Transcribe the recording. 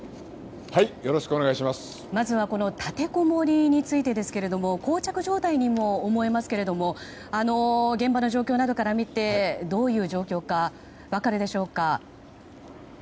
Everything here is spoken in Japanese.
まずは立てこもりについてですが膠着状態にも思えますけれども現場の状況などから見てどういう状況か分かるでしょうか。